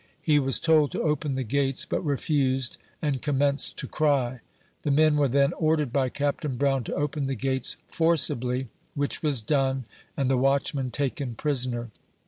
He was told to open the gates, but refused, and com menced to cry. The men were then ordered by Captain Brown to open the gates forcibly, which was done, and the watchman taken prisoner.